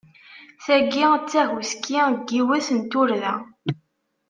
Tagi d tahuski n yiwet n turda.